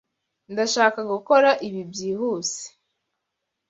Ndashaka gukora ibi byihuse.